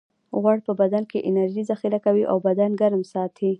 غوړ په بدن کې انرژي ذخیره کوي او بدن ګرم ساتي